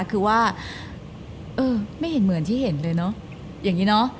คือว่าเออไม่เห็นเหมือนที่เห็นเลยเนอะอย่างนี้เนอะ